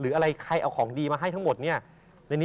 แต่เขาตัดได้มั้ยอันนี้อย่างนี้อย่างนี้